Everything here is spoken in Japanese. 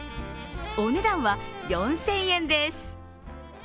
お値段は４０００円です。